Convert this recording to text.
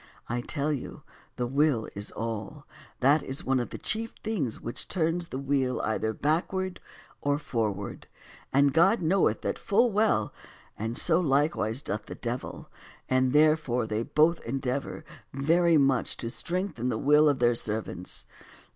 I tell you the will is all ; that is one of the chief things which turns the wheel either backward or forward ; and God knoweth that full well, and so likewise doth the devil, and therefore they both endeavor very much to strengthen the will of their servants.